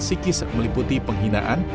sikis meliputi penghinaan